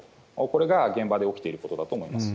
これが現場で起きていることだと思います。